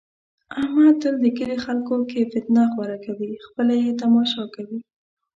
احمد تل د کلي خلکو کې فتنه خوره کوي، خپله یې تماشا کوي.